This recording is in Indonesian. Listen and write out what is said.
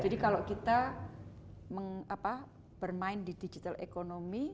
jadi kalau kita bermain di digital economy